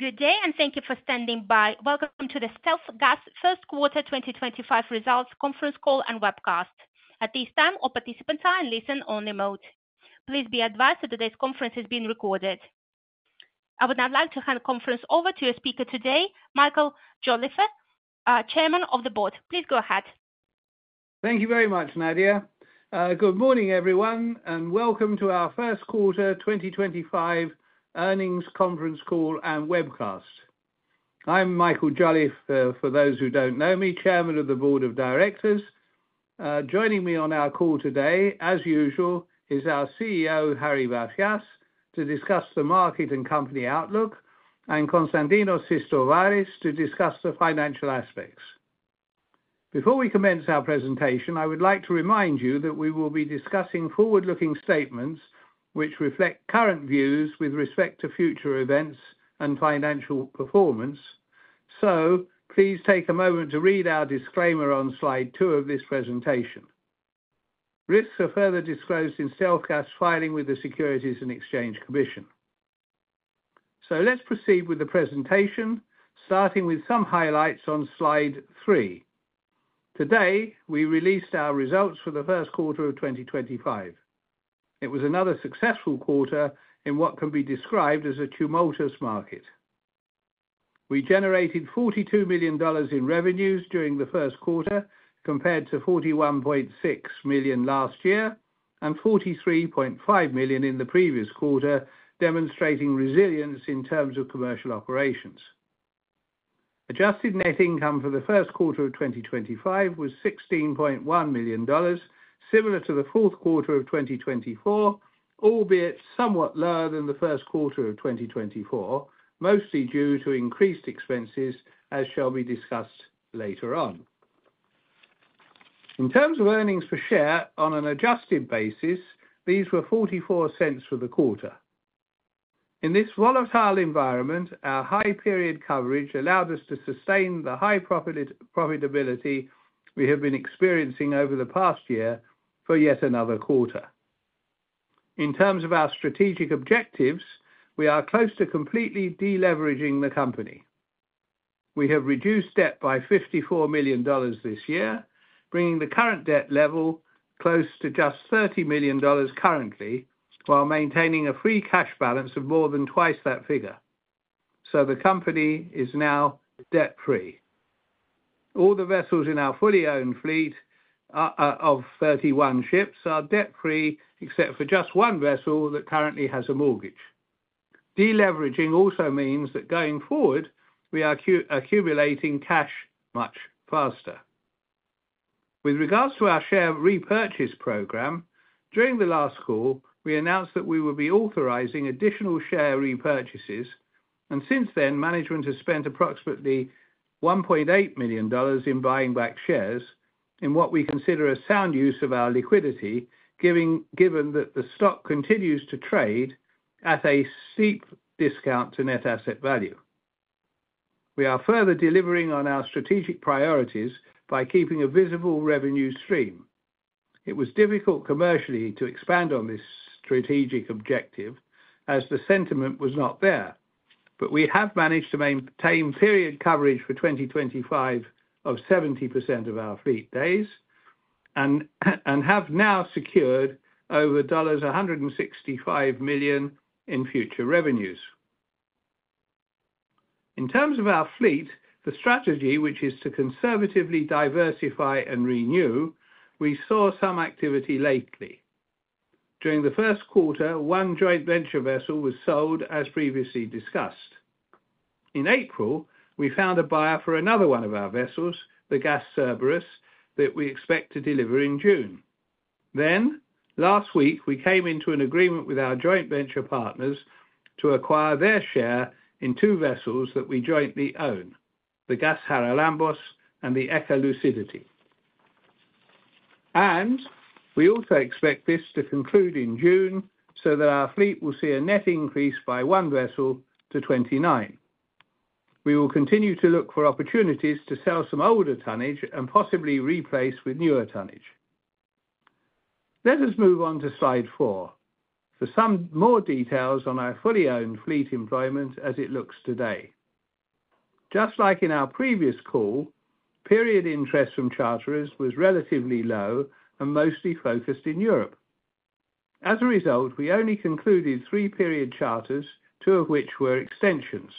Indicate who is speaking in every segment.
Speaker 1: Good day, and thank you for standing by. Welcome to the StealthGas first quarter 2025 results conference call and webcast. At this time, all participants are in listen-only mode. Please be advised that today's conference is being recorded. I would now like to hand the conference over to your speaker today, Michael Jolliffe, Chairman of the Board. Please go ahead.
Speaker 2: Thank you very much, Nadia. Good morning, everyone, and welcome to our first quarter 2025 earnings conference call and webcast. I'm Michael Jolliffe, for those who don't know me, Chairman of the Board of Directors. Joining me on our call today, as usual, is our CEO, Harry Vafias, to discuss the market and company outlook, and Konstantinos Sistovaris, to discuss the financial aspects. Before we commence our presentation, I would like to remind you that we will be discussing forward-looking statements which reflect current views with respect to future events and financial performance. Please take a moment to read our disclaimer on slide two of this presentation. Risks are further disclosed in StealthGas filing with the Securities and Exchange Commission. Let's proceed with the presentation, starting with some highlights on slide three. Today, we released our results for the first quarter of 2025. It was another successful quarter in what can be described as a tumultuous market. We generated $42 million in revenues during the first quarter, compared to $41.6 million last year and $43.5 million in the previous quarter, demonstrating resilience in terms of commercial operations. Adjusted net income for the first quarter of 2025 was $16.1 million, similar to the fourth quarter of 2024, albeit somewhat lower than the first quarter of 2024, mostly due to increased expenses, as shall be discussed later on. In terms of earnings per share on an adjusted basis, these were $0.44 for the quarter. In this volatile environment, our high-period coverage allowed us to sustain the high profitability we have been experiencing over the past year for yet another quarter. In terms of our strategic objectives, we are close to completely deleveraging the company. We have reduced debt by $54 million this year, bringing the current debt level close to just $30 million currently, while maintaining a free cash balance of more than twice that figure. The company is now debt-free. All the vessels in our fully owned fleet of 31 ships are debt-free, except for just one vessel that currently has a mortgage. Deleveraging also means that going forward, we are accumulating cash much faster. With regards to our share repurchase program, during the last call, we announced that we will be authorizing additional share repurchases, and since then, management has spent approximately $1.8 million in buying back shares in what we consider a sound use of our liquidity, given that the stock continues to trade at a steep discount to net asset value. We are further delivering on our strategic priorities by keeping a visible revenue stream. It was difficult commercially to expand on this strategic objective as the sentiment was not there, but we have managed to maintain period coverage for 2025 of 70% of our fleet days and have now secured over $165 million in future revenues. In terms of our fleet, the strategy, which is to conservatively diversify and renew, we saw some activity lately. During the first quarter, one joint venture vessel was sold, as previously discussed. In April, we found a buyer for another one of our vessels, the Gas Cerberus, that we expect to deliver in June. Last week, we came into an agreement with our joint venture partners to acquire their share in two vessels that we jointly own, the Gas Haralambos and the Eco Lucidity. We also expect this to conclude in June so that our fleet will see a net increase by one vessel to 29. We will continue to look for opportunities to sell some older tonnage and possibly replace with newer tonnage. Let us move on to slide four for some more details on our fully owned fleet employment as it looks today. Just like in our previous call, period interest from charterers was relatively low and mostly focused in Europe. As a result, we only concluded three period charters, two of which were extensions.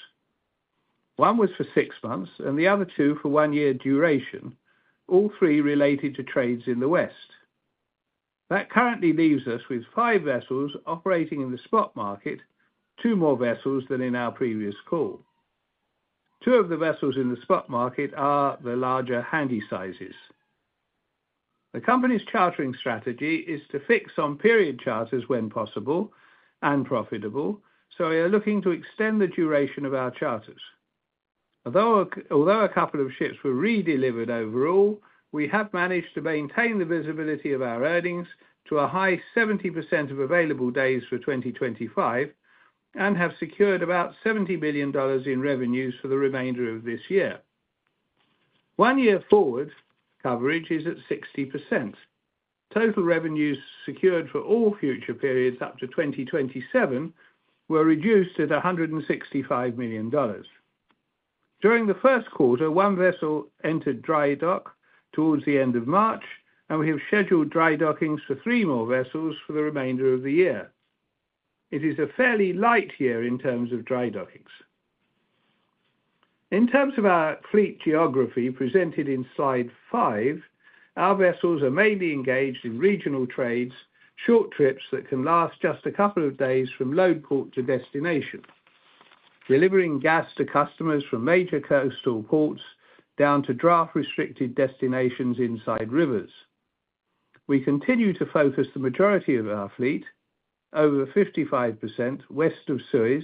Speaker 2: One was for six months and the other two for one year duration, all three related to trades in the West. That currently leaves us with five vessels operating in the spot market, two more vessels than in our previous call. Two of the vessels in the spot market are the larger handy sizes. The company's chartering strategy is to fix on period charters when possible and profitable, so we are looking to extend the duration of our charters. Although a couple of ships were redelivered overall, we have managed to maintain the visibility of our earnings to a high 70% of available days for 2025 and have secured about $70 million in revenues for the remainder of this year. One year forward, coverage is at 60%. Total revenues secured for all future periods up to 2027 were reduced at $165 million. During the first quarter, one vessel entered dry dock towards the end of March, and we have scheduled dry dockings for three more vessels for the remainder of the year. It is a fairly light year in terms of dry dockings. In terms of our fleet geography presented in slide five, our vessels are mainly engaged in regional trades, short trips that can last just a couple of days from load port to destination, delivering gas to customers from major coastal ports down to draft-restricted destinations inside rivers. We continue to focus the majority of our fleet, over 55%, west of Suez,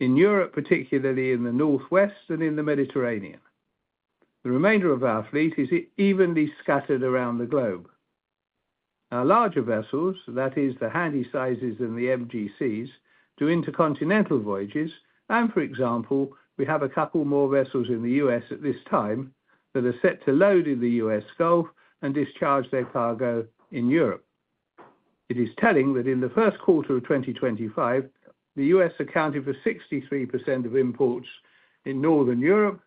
Speaker 2: in Europe, particularly in the northwest and in the Mediterranean. The remainder of our fleet is evenly scattered around the globe. Our larger vessels, that is, the handy sizes and the MGCs, do intercontinental voyages, and, for example, we have a couple more vessels in the U.S. at this time that are set to load in the U.S. Gulf and discharge their cargo in Europe. It is telling that in the first quarter of 2025, the U.S. accounted for 63% of imports in northern Europe,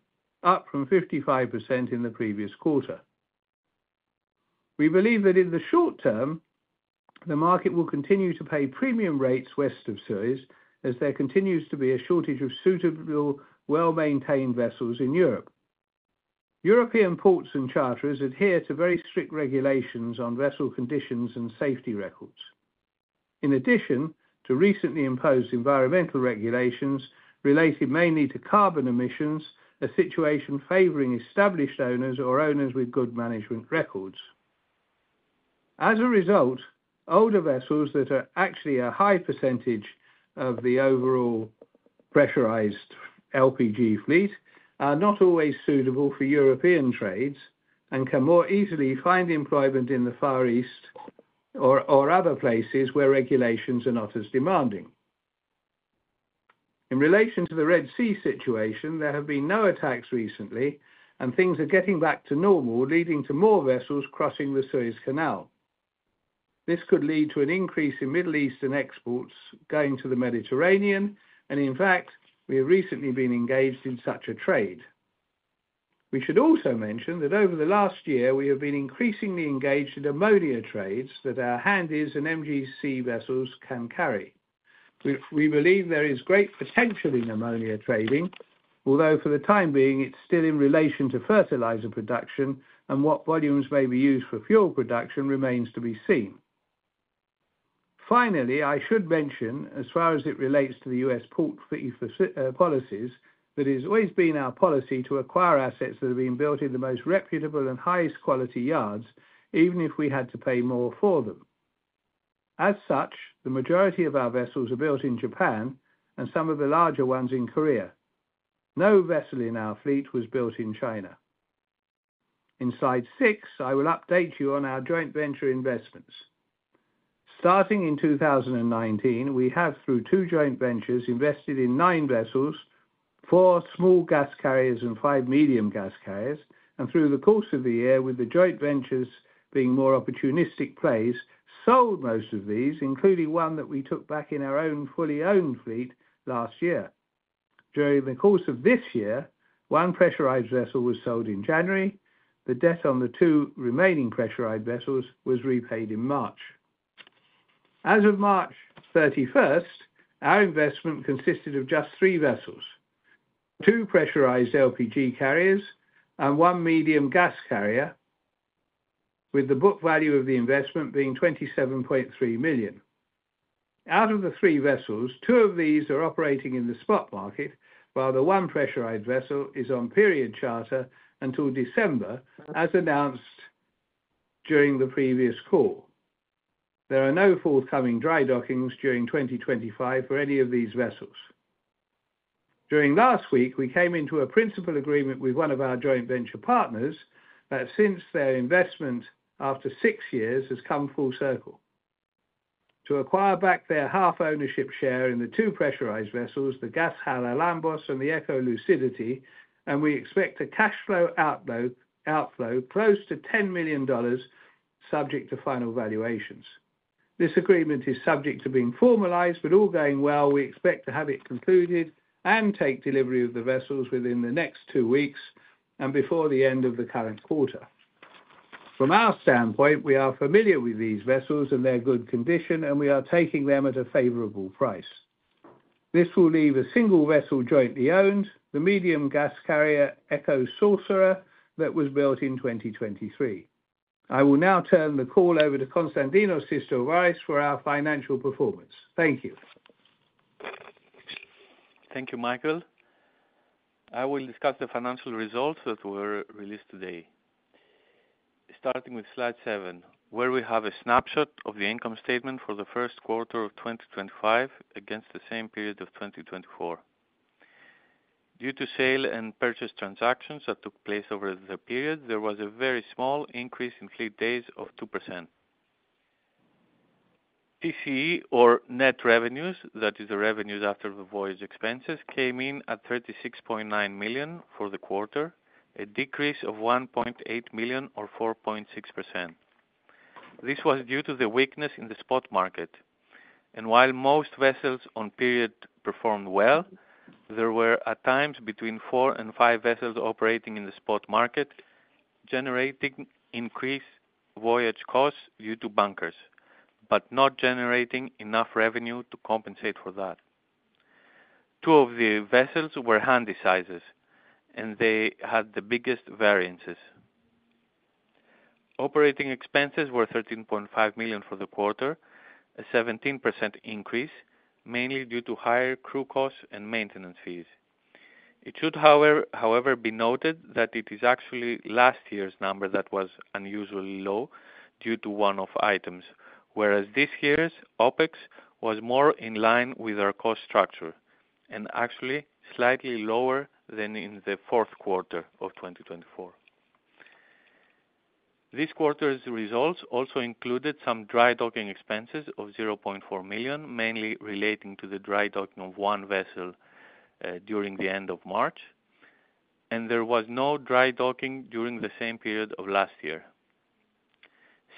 Speaker 2: up from 55% in the previous quarter. We believe that in the short term, the market will continue to pay premium rates west of Suez as there continues to be a shortage of suitable, well-maintained vessels in Europe. European ports and charterers adhere to very strict regulations on vessel conditions and safety records, in addition to recently imposed environmental regulations related mainly to carbon emissions, a situation favoring established owners or owners with good management records. As a result, older vessels that are actually a high percentage of the overall pressurized LPG fleet are not always suitable for European trades and can more easily find employment in the Far East or other places where regulations are not as demanding. In relation to the Red Sea situation, there have been no attacks recently, and things are getting back to normal, leading to more vessels crossing the Suez Canal. This could lead to an increase in Middle Eastern exports going to the Mediterranean, and in fact, we have recently been engaged in such a trade. We should also mention that over the last year, we have been increasingly engaged in ammonia trades that our handies and MGC vessels can carry. We believe there is great potential in ammonia trading, although for the time being, it's still in relation to fertilizer production, and what volumes may be used for fuel production remains to be seen. Finally, I should mention, as far as it relates to the U.S. port policies, that it has always been our policy to acquire assets that have been built in the most reputable and highest quality yards, even if we had to pay more for them. As such, the majority of our vessels are built in Japan and some of the larger ones in Korea. No vessel in our fleet was built in China. In slide six, I will update you on our joint venture investments. Starting in 2019, we have, through two joint ventures, invested in nine vessels, four small gas carriers and five medium gas carriers, and through the course of the year, with the joint ventures being more opportunistic plays, sold most of these, including one that we took back in our own fully owned fleet last year. During the course of this year, one pressurized vessel was sold in January. The debt on the two remaining pressurized vessels was repaid in March. As of March 31st, our investment consisted of just three vessels, two pressurized LPG carriers and one medium gas carrier, with the book value of the investment being $27.3 million. Out of the three vessels, two of these are operating in the spot market, while the one pressurized vessel is on period charter until December, as announced during the previous call. There are no forthcoming dry dockings during 2025 for any of these vessels. During last week, we came into a principal agreement with one of our joint venture partners that since their investment after six years has come full circle. To acquire back their half ownership share in the two pressurized vessels, the Gas Haralambos and the Eco Lucidity, and we expect a cash flow outflow close to $10 million, subject to final valuations. This agreement is subject to being formalized, but all going well, we expect to have it concluded and take delivery of the vessels within the next two weeks and before the end of the current quarter. From our standpoint, we are familiar with these vessels and their good condition, and we are taking them at a favorable price. This will leave a single vessel jointly owned, the medium gas carrier Eco Sorcerer, that was built in 2023. I will now turn the call over to Konstantinos Sistovaris for our financial performance. Thank you.
Speaker 3: Thank you, Michael. I will discuss the financial results that were released today, starting with slide seven, where we have a snapshot of the income statement for the first quarter of 2025 against the same period of 2024. Due to sale and purchase transactions that took place over the period, there was a very small increase in fleet days of 2%. PCE, or net revenues, that is, the revenues after the voyage expenses, came in at $36.9 million for the quarter, a decrease of $1.8 million or 4.6%. This was due to the weakness in the spot market. While most vessels on period performed well, there were at times between four and five vessels operating in the spot market, generating increased voyage costs due to bunkers, but not generating enough revenue to compensate for that. Two of the vessels were handy sizes, and they had the biggest variances. Operating expenses were $13.5 million for the quarter, a 17% increase, mainly due to higher crew costs and maintenance fees. It should, however, be noted that it is actually last year's number that was unusually low due to one-off items, whereas this year's OpEx was more in line with our cost structure and actually slightly lower than in the fourth quarter of 2024. This quarter's results also included some dry docking expenses of $0.4 million, mainly relating to the dry docking of one vessel during the end of March, and there was no dry docking during the same period of last year.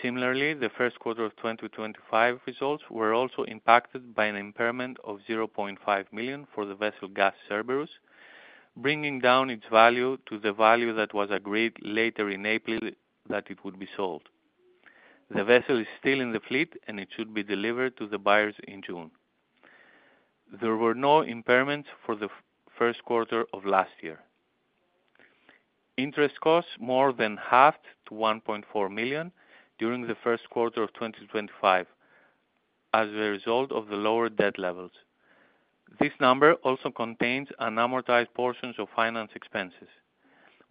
Speaker 3: Similarly, the first quarter of 2025 results were also impacted by an impairment of $0.5 million for the vessel Gas Cerberus, bringing down its value to the value that was agreed later in April that it would be sold. The vessel is still in the fleet, and it should be delivered to the buyers in June. There were no impairments for the first quarter of last year. Interest costs more than halved to $1.4 million during the first quarter of 2025 as a result of the lower debt levels. This number also contains unamortized portions of finance expenses.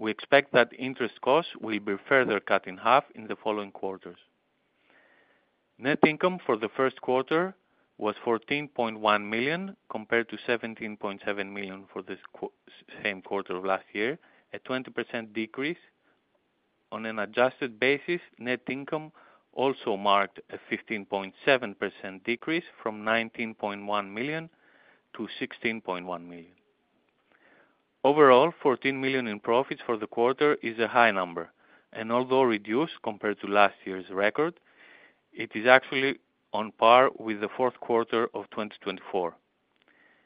Speaker 3: We expect that interest costs will be further cut in half in the following quarters. Net income for the first quarter was $14.1 million compared to $17.7 million for the same quarter of last year, a 20% decrease. On an adjusted basis, net income also marked a 15.7% decrease from $19.1 million to $16.1 million. Overall, $14 million in profits for the quarter is a high number, and although reduced compared to last year's record, it is actually on par with the fourth quarter of 2024.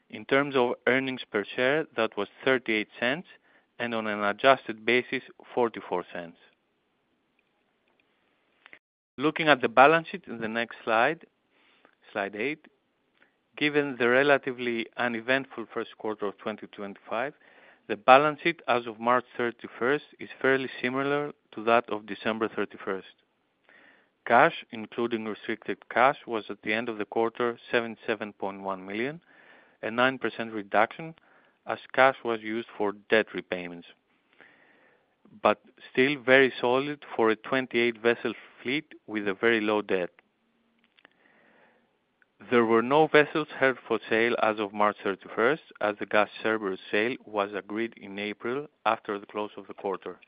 Speaker 3: In terms of earnings per share, that was $0.38, and on an adjusted basis, $0.44. Looking at the balance sheet in the next slide, slide eight, given the relatively uneventful first quarter of 2025, the balance sheet as of March 31st is fairly similar to that of December 31st. Cash, including restricted cash, was at the end of the quarter $77.1 million, a 9% reduction as cash was used for debt repayments, but still very solid for a 28-vessel fleet with a very low debt. There were no vessels held for sale as of March 31st, as the Gas Cerberus sale was agreed in April after the close of the quarter.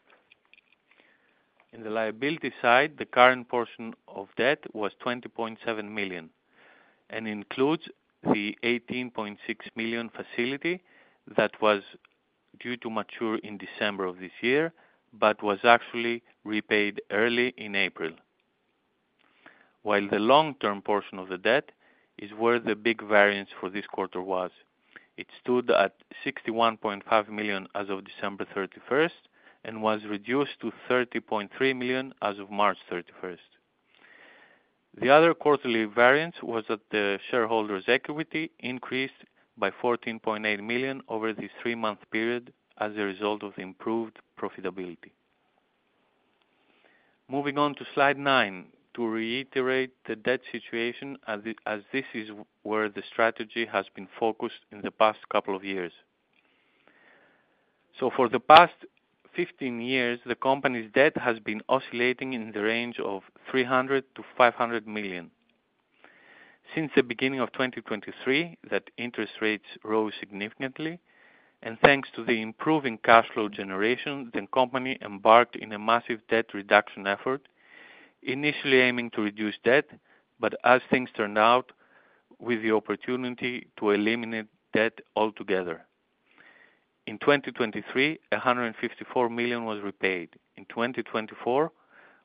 Speaker 3: In the liability side, the current portion of debt was $20.7 million and includes the $18.6 million facility that was due to mature in December of this year but was actually repaid early in April, while the long-term portion of the debt is where the big variance for this quarter was. It stood at $61.5 million as of December 31st and was reduced to $30.3 million as of March 31st. The other quarterly variance was that the shareholders' equity increased by $14.8 million over the three-month period as a result of improved profitability. Moving on to slide nine to reiterate the debt situation, as this is where the strategy has been focused in the past couple of years. For the past 15 years, the company's debt has been oscillating in the range of $300 million-$500 million. Since the beginning of 2023, that interest rates rose significantly, and thanks to the improving cash flow generation, the company embarked on a massive debt reduction effort, initially aiming to reduce debt, but as things turned out with the opportunity to eliminate debt altogether. In 2023, $154 million was repaid. In 2024,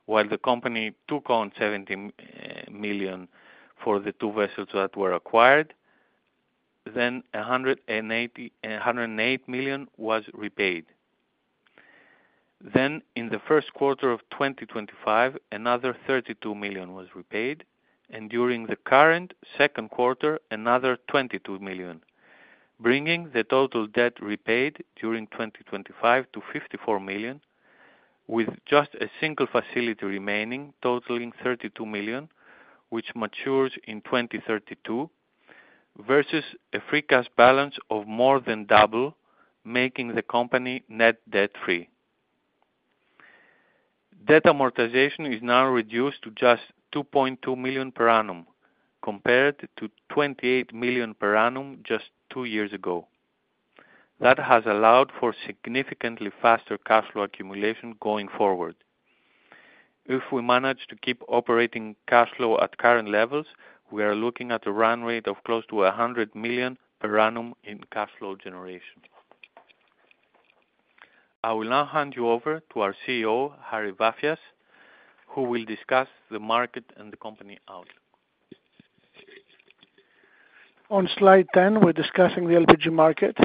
Speaker 3: while the company took on $17 million for the two vessels that were acquired, then $108 million was repaid. In the first quarter of 2025, another $32 million was repaid, and during the current second quarter, another $22 million, bringing the total debt repaid during 2025 to $54 million, with just a single facility remaining totaling $32 million, which matures in 2032, versus a free cash balance of more than double, making the company net debt free. Debt amortization is now reduced to just $2.2 million per annum, compared to $28 million per annum just two years ago. That has allowed for significantly faster cash flow accumulation going forward. If we manage to keep operating cash flow at current levels, we are looking at a run rate of close to $100 million per annum in cash flow generation. I will now hand you over to our CEO, Harry Vafias, who will discuss the market and the company out.
Speaker 4: On slide 10, we're discussing the LPG market.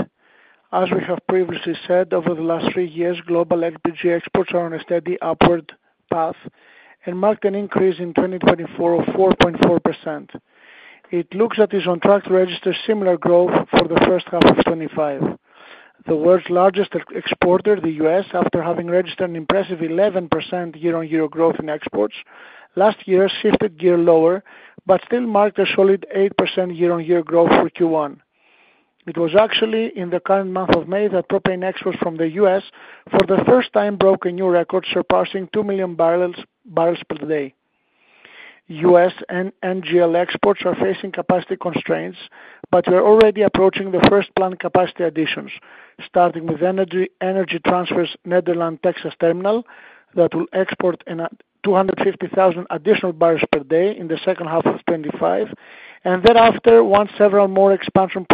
Speaker 4: As we have previously said, over the last three years, global LPG exports are on a steady upward path and marked an increase in 2024 of 4.4%. It looks that it is on track to register similar growth for the first half of 2025. The world's largest exporter, the U.S., after having registered an impressive 11% year-on-year growth in exports, last year shifted gear lower but still marked a solid 8% year-on-year growth for Q1. It was actually in the current month of May that propane exports from the U.S. for the first time broke a new record, surpassing 2 MMbpd. U.S. and NGL exports are facing capacity constraints, but we are already approaching the first planned capacity additions, starting with Energy Transfer at the Nederland Texas terminal that will export 250,000 additional barrels per day in the second half of 2025, and thereafter, once several more expansion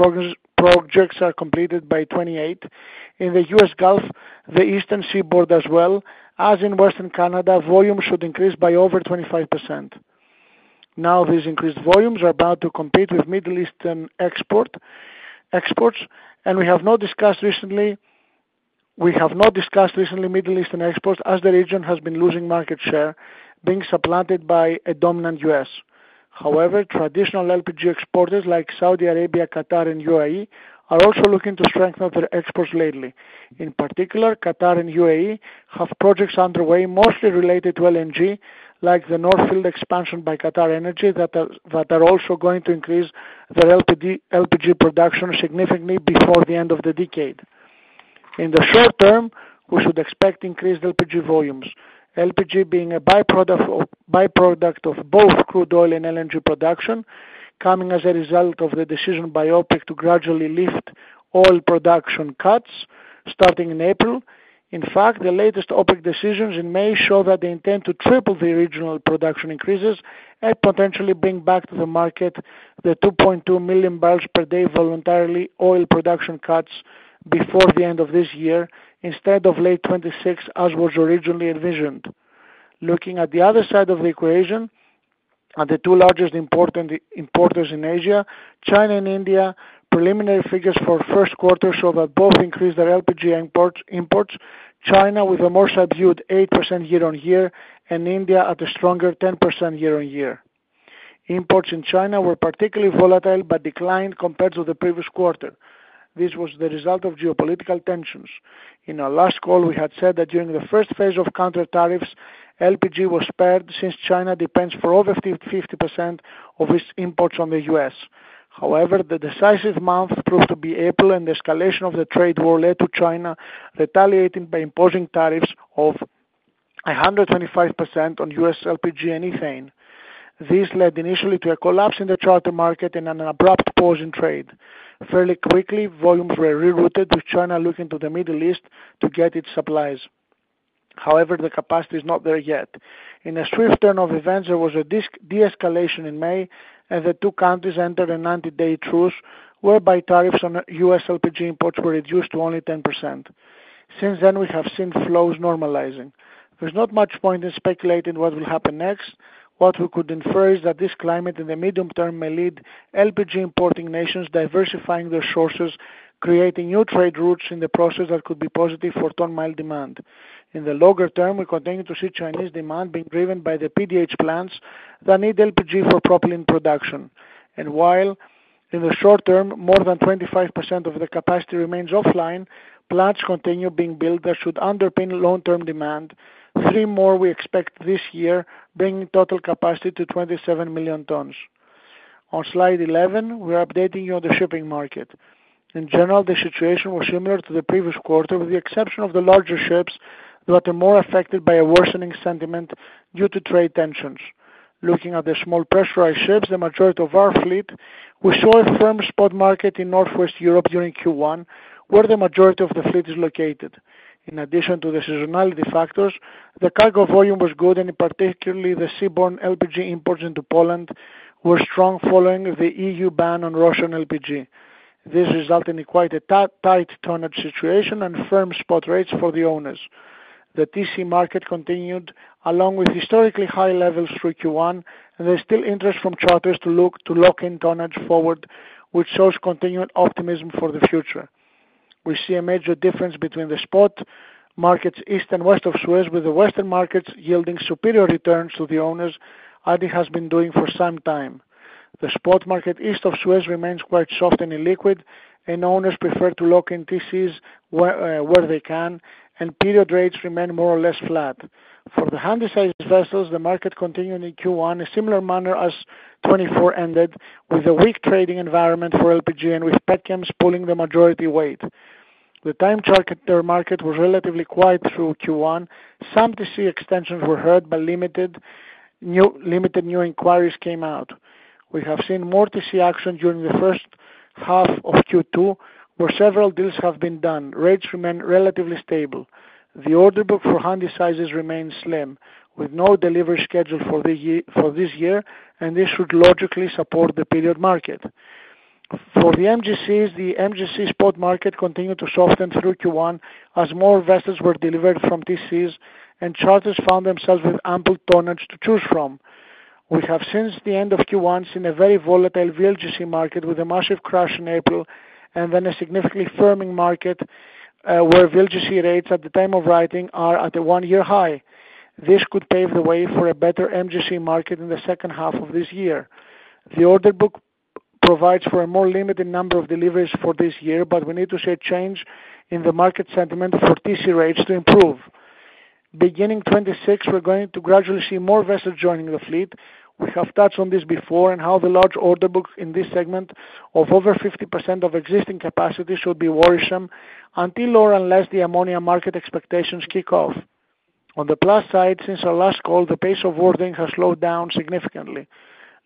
Speaker 4: projects are completed by 2028, in the U.S. Gulf, the Eastern Seaboard as well as in Western Canada, volumes should increase by over 25%. Now, these increased volumes are bound to compete with Middle Eastern exports, and we have not discussed recently Middle Eastern exports as the region has been losing market share, being supplanted by a dominant U.S. However, traditional LPG exporters like Saudi Arabia, Qatar, and UAE are also looking to strengthen their exports lately. In particular, Qatar and UAE have projects underway, mostly related to LNG, like the Northfield expansion by Qatar Energy that are also going to increase their LPG production significantly before the end of the decade. In the short term, we should expect increased LPG volumes, LPG being a byproduct of both crude oil and LNG production, coming as a result of the decision by OPEC to gradually lift oil production cuts starting in April. In fact, the latest OPEC decisions in May show that they intend to triple the regional production increases and potentially bring back to the market the 2.2 MMbpd voluntary oil production cuts before the end of this year, instead of late 2026 as was originally envisioned. Looking at the other side of the equation, the two largest importers in Asia, China and India, preliminary figures for first quarter show that both increased their LPG imports, China with a more subdued 8% year-on-year and India at a stronger 10% year-on-year. Imports in China were particularly volatile but declined compared to the previous quarter. This was the result of geopolitical tensions. In our last call, we had said that during the first phase of counter tariffs, LPG was spared since China depends for over 50% of its imports on the U.S. However, the decisive month proved to be April, and the escalation of the trade war led to China retaliating by imposing tariffs of 125% on U.S. LPG and ethane. This led initially to a collapse in the charter market and an abrupt pause in trade. Fairly quickly, volumes were rerouted, with China looking to the Middle East to get its supplies. However, the capacity is not there yet. In a swift turn of events, there was a de-escalation in May, and the two countries entered a 90-day truce, whereby tariffs on U.S. LPG imports were reduced to only 10%. Since then, we have seen flows normalizing. There's not much point in speculating what will happen next. What we could infer is that this climate in the medium term may lead LPG-importing nations diversifying their sources, creating new trade routes in the process that could be positive for ton-mile demand. In the longer term, we continue to see Chinese demand being driven by the PDH plants that need LPG for propylene production. While in the short term, more than 25% of the capacity remains offline, plants continue being built that should underpin long-term demand. Three more we expect this year, bringing total capacity to 27 million tons. On slide 11, we're updating you on the shipping market. In general, the situation was similar to the previous quarter, with the exception of the larger ships that are more affected by a worsening sentiment due to trade tensions. Looking at the small pressurized ships, the majority of our fleet, we saw a firm spot market in Northwest Europe during Q1, where the majority of the fleet is located. In addition to the seasonality factors, the cargo volume was good, and particularly the seaborne LPG imports into Poland were strong following the EU ban on Russian LPG. This resulted in quite a tight tonnage situation and firm spot rates for the owners. The TC market continued, along with historically high levels through Q1, and there's still interest from charters to lock in tonnage forward, which shows continued optimism for the future. We see a major difference between the spot markets east and west of Suez, with the western markets yielding superior returns to the owners, as it has been doing for some time. The spot market east of Suez remains quite soft and illiquid, and owners prefer to lock in TCs where they can, and period rates remain more or less flat. For the handy-sized vessels, the market continued in Q1 in a similar manner as 2024 ended, with a weak trading environment for LPG and with petchems pulling the majority weight. The time charter market was relatively quiet through Q1. Some TC extensions were heard but limited new inquiries came out. We have seen more TC action during the first half of Q2, where several deals have been done. Rates remain relatively stable. The order book for handy-sizes remains slim, with no delivery schedule for this year, and this should logically support the period market. For the MGCs, the MGC spot market continued to soften through Q1 as more vessels were delivered from TCs and charters found themselves with ample tonnage to choose from. We have since the end of Q1 seen a very volatile VLGC market with a massive crash in April and then a significantly firming market where VLGC rates at the time of writing are at a one-year high. This could pave the way for a better MGC market in the second half of this year. The order book provides for a more limited number of deliveries for this year, but we need to see a change in the market sentiment for TC rates to improve. Beginning 2026, we're going to gradually see more vessels joining the fleet. We have touched on this before and how the large order books in this segment of over 50% of existing capacity should be worrisome until or unless the ammonia market expectations kick off. On the plus side, since our last call, the pace of ordering has slowed down significantly.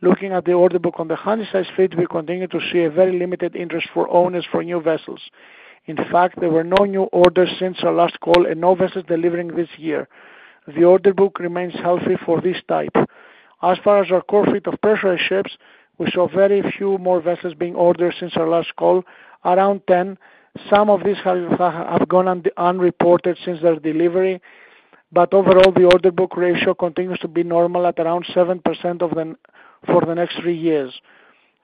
Speaker 4: Looking at the order book on the handy-sized fleet, we continue to see a very limited interest for owners for new vessels. In fact, there were no new orders since our last call and no vessels delivering this year. The order book remains healthy for this type. As far as our core fleet of pressurized ships, we saw very few more vessels being ordered since our last call, around 10. Some of these have gone unreported since their delivery, but overall, the order book ratio continues to be normal at around 7% for the next three years.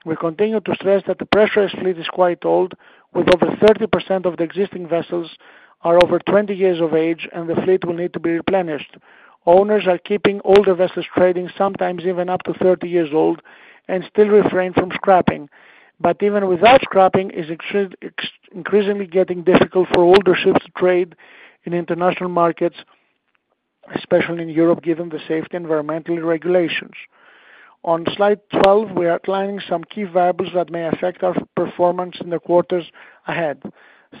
Speaker 4: We continue to stress that the pressurized fleet is quite old, with over 30% of the existing vessels being over 20 years of age, and the fleet will need to be replenished. Owners are keeping older vessels trading, sometimes even up to 30 years old, and still refraining from scrapping. Even without scrapping, it is increasingly getting difficult for older ships to trade in international markets, especially in Europe, given the safety and environmental regulations. On slide 12, we are outlining some key variables that may affect our performance in the quarters ahead.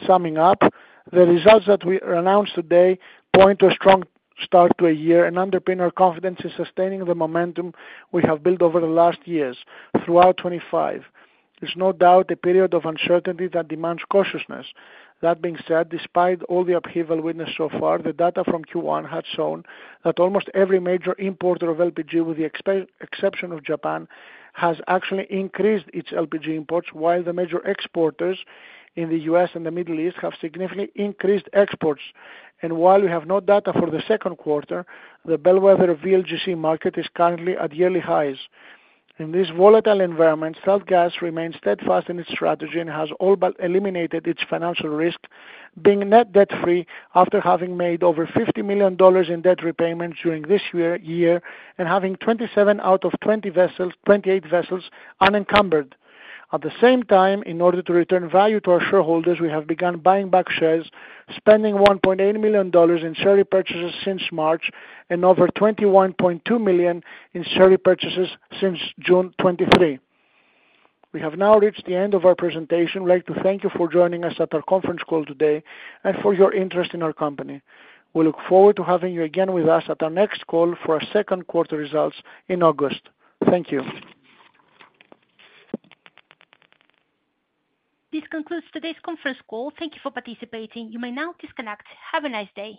Speaker 4: Summing up, the results that we announced today point to a strong start to a year and underpin our confidence in sustaining the momentum we have built over the last years throughout 2025. There is no doubt a period of uncertainty that demands cautiousness. That being said, despite all the upheaval witnessed so far, the data from Q1 had shown that almost every major importer of LPG, with the exception of Japan, has actually increased its LPG imports, while the major exporters in the U.S. and the Middle East have significantly increased exports. While we have no data for the second quarter, the bellwether VLGC market is currently at yearly highs. In this volatile environment, StealthGas remains steadfast in its strategy and has all but eliminated its financial risk, being net debt-free after having made over $50 million in debt repayments during this year and having 27 out of 28 vessels unencumbered. At the same time, in order to return value to our shareholders, we have begun buying back shares, spending $1.8 million in share repurchases since March and over $21.2 million in share repurchases since June 2023. We have now reached the end of our presentation. We would like to thank you for joining us at our conference call today and for your interest in our company. We look forward to having you again with us at our next call for our second quarter results in August. Thank you.
Speaker 1: This concludes today's conference call. Thank you for participating. You may now disconnect. Have a nice day.